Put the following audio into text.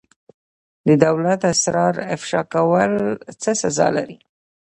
د دولت اسرار افشا کول څه سزا لري؟